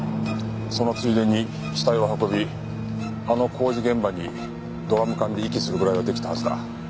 そのついでに死体を運びあの工事現場にドラム缶で遺棄するぐらいは出来たはずだ。